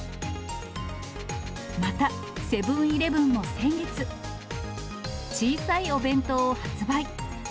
また、セブンーイレブンも先月、小さいお弁当を発売。